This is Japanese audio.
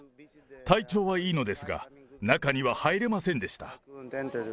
体調はいいのですが、中には入れませんでした。